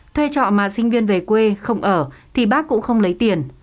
thuê trọ mà sinh viên về quê không ở thì bác cũng không lấy tiền